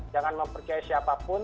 jangan mempercayai siapapun